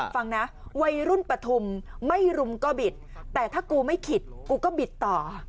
ฟังนะวัยรุ่นปฐุมไม่รุมก็บิดแต่ถ้ากูไม่ขิดกูก็บิดต่อ